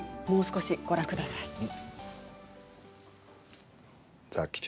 もう少しご覧ください。